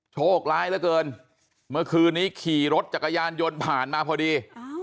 โชคร้ายเหลือเกินเมื่อคืนนี้ขี่รถจักรยานยนต์ผ่านมาพอดี